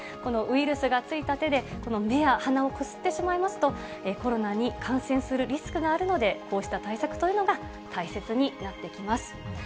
ウイルスがついた手でこの目や鼻をこすってしまいますと、コロナに感染するリスクがあるので、こうした対策というのが大切になってきます。